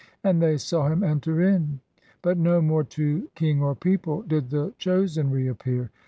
And they saw him enter in. But no more to king or people Did the Chosen reappear.